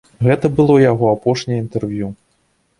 Гэта было яго апошняе інтэрв'ю.